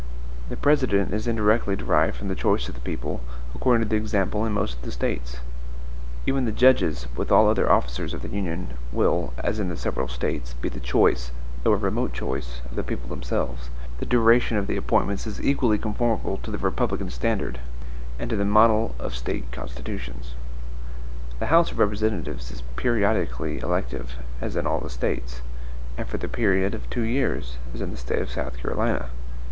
The President is indirectly derived from the choice of the people, according to the example in most of the States. Even the judges, with all other officers of the Union, will, as in the several States, be the choice, though a remote choice, of the people themselves, the duration of the appointments is equally conformable to the republican standard, and to the model of State constitutions The House of Representatives is periodically elective, as in all the States; and for the period of two years, as in the State of South Carolina.